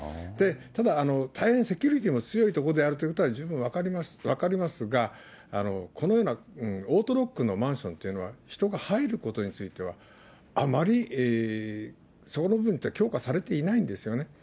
ただ、大変セキュリティーの強い所であるということは十分分かりますが、このようなオートロックのマンションというのは、人が入ることについては、あまりそこの部分というのは強化されていないんですよね。